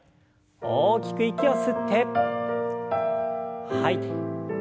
大きく息を吸って吐いて。